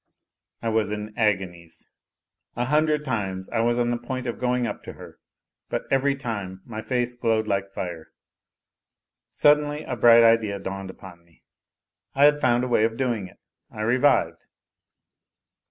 I was in agonies. A hundred times I was on the point of going up to her, but every time my face glowed like fire. Suddenly a bright idea dawned upon me. I had found a way of doing it ; I revived.